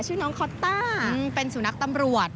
ชื่อน้องคอต้าเป็นสุนัขตำรวจ